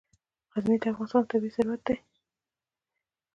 غزني د افغانستان طبعي ثروت دی.